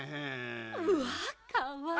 うわあかわいい！